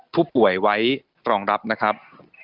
ผู้ป่วยไว้รองรับนะครับ